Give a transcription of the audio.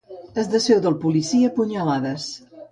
Es desfeu del policia a punyalades.